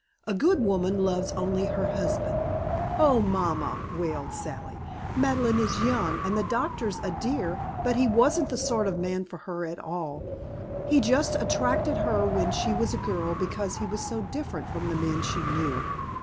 A good woman loves only her husband." "Oh, mamma!" wailed Sally. "Madeleine is young, and the doctor's a dear but he wasn't the sort of a man for her at all. He just attracted her when she was a girl because he was so different from the men she knew.